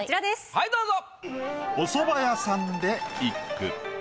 はいどうぞ。